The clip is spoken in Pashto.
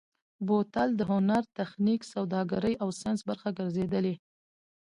بوتل د هنر، تخنیک، سوداګرۍ او ساینس برخه ګرځېدلی.